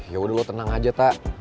yaudah lo tenang aja tak